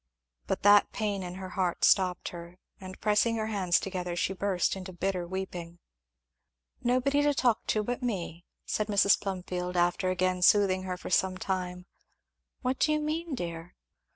But that pain at her heart stopped her, and pressing her hands together she burst into bitter weeping. "Nobody to talk to but me?" said Mrs. Plumfield after again soothing her for some time, "what do you mean, dear?"